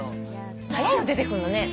早いよ出てくんのね。